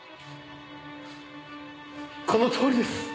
このとおりです。